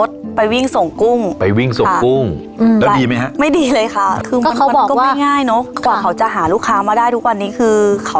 ตั้งแต่รุ่นแม่เขาอะไรอย่างนี้ค่ะ